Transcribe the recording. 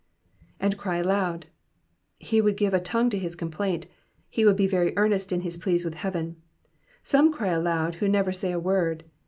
''^And cry aloud."*^ He would give a tongue to his complaint ; he would be very earnest in his pleas with heaven. Some cry aloud who never say a word.